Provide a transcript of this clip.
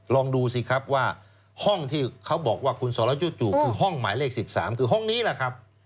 ลองดูสิครับว่าห้องที่เขาบอกว่าคุณสรจู่คือห้องหมายเลข๑๓คือห้องนี้แหละครับ